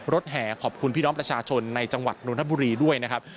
แห่ขอบคุณพี่น้องประชาชนในจังหวัดนทบุรีด้วยนะครับ